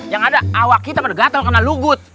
yang ada awak kita pada gatal kena lugut